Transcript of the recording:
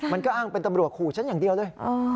มันก็อ้างเป็นตำรวจขู่ฉันอย่างเดียวเลย